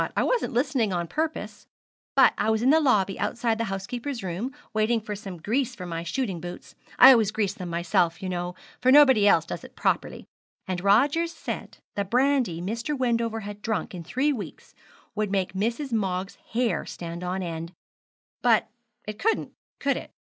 I wasn't listening on purpose; but I was in the lobby outside the housekeeper's room, waiting for some grease for my shooting boots. I always grease them myself, you know, for nobody else does it properly; and Rogers said the brandy Mr. Wendover had drunk in three weeks would make Mrs. Moggs' hair stand on end; but it couldn't, could it?